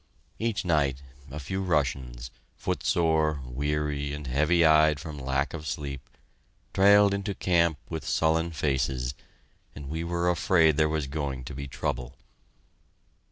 Each night, a few Russians, footsore, weary, and heavy eyed from lack of sleep, trailed into camp with sullen faces, and we were afraid there was going to be trouble.